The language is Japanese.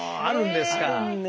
あるんですよ。